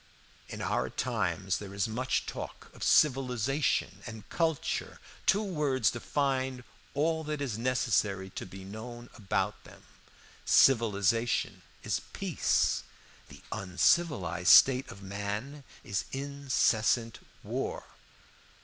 "In our times there is much talk of civilization and culture. Two words define all that is necessary to be known about them. Civilization is peace. The uncivilized state of man is incessant war.